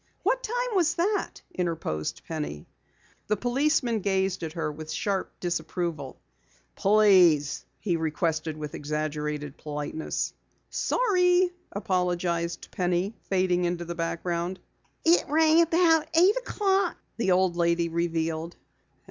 "What time was that?" interposed Penny. The policeman gazed at her with sharp disapproval. "Please," he requested with exaggerated politeness. "Sorry," apologized Penny, fading into the background. "It rang about eight o'clock," the old lady revealed.